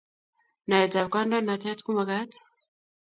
Naet ab kandoinatet kumakat